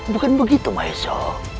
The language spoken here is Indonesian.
bukan begitu maesha